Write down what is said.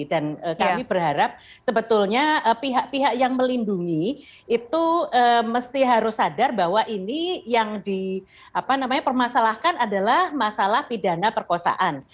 dan kami berharap sebetulnya pihak pihak yang melindungi itu mesti harus sadar bahwa ini yang di permasalahkan adalah masalah pidana perkosaan